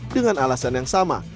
dengan alasan yang sama